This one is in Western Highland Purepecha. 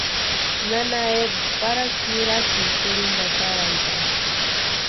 Nana Eva Parachu nirasïnti kurhinta atarantani.